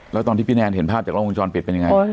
แล้วตอนที่พี่แนนเห็นภาพจากล้องวงจรปิดเป็นยังไง